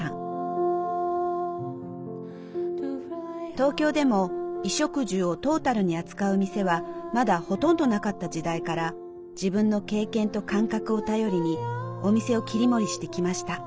東京でも衣食住をトータルに扱う店はまだほとんどなかった時代から自分の経験と感覚を頼りにお店を切り盛りしてきました。